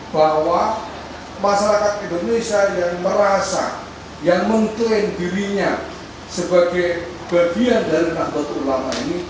bahwa masyarakat indonesia yang merasa yang mengklaim dirinya sebagai bagian dari nahdlatul ulama ini